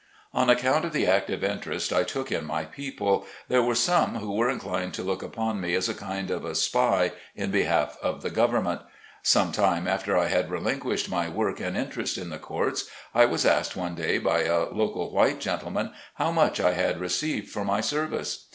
On account of the active interest I took in my people, there were some who were inclined to look 98 SLAVE CABIN TO PULPIT. upon me as a kind of a spy in behalf of the govern ment. Some time after I had relinquished my work and interest in the courts, I was asked one day by a local white gentleman, how much I had received for my service?